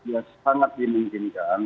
ya sangat dimungkinkan